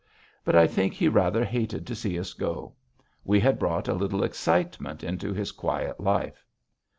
But I think he rather hated to see us go. We had brought a little excitement into his quiet life.